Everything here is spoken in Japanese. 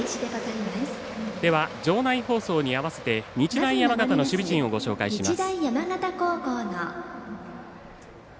では、場内放送に合わせて日大山形の守備陣をご紹介します。